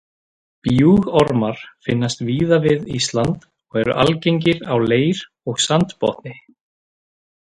Bjúgormar finnast víða við Ísland og eru algengir á leir og sandbotni.